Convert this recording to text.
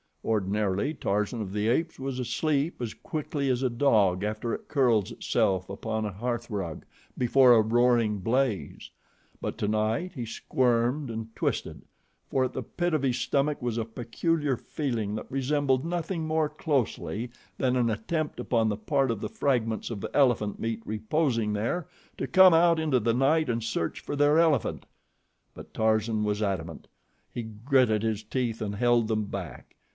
Ordinarily Tarzan of the Apes was asleep as quickly as a dog after it curls itself upon a hearthrug before a roaring blaze; but tonight he squirmed and twisted, for at the pit of his stomach was a peculiar feeling that resembled nothing more closely than an attempt upon the part of the fragments of elephant meat reposing there to come out into the night and search for their elephant; but Tarzan was adamant. He gritted his teeth and held them back.